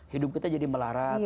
hidup kita jadi melarat